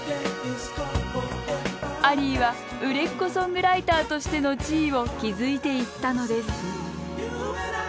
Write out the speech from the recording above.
アリーは売れっ子ソングライターとしての地位を築いていったのです